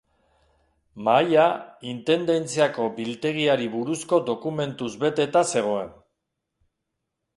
Mahaia intendentziako biltegiari buruzko dokumentuz beteta zegoen.